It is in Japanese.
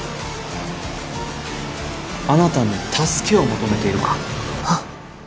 あなたに助けを求めているか